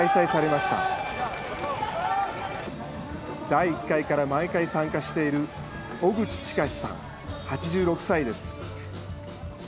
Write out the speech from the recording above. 第１回から毎回参加している小口親司さん８６歳です。